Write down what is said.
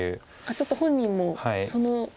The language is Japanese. ちょっと本人もその辺り。